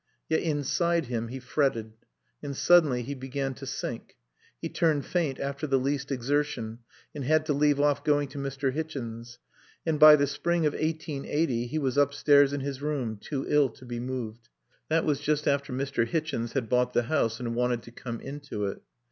Yet inside him he fretted. And, suddenly, he began to sink. He turned faint after the least exertion and had to leave off going to Mr. Hichens. And by the spring of eighteen eighty he was upstairs in his room, too ill to be moved. That was just after Mr. Hichens had bought the house and wanted to come into it.